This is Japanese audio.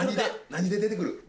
何で出てくる？